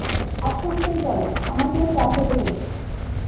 আচ্ছা আঙ্কেল চলো, - আমাকেও চা খেতে হবে।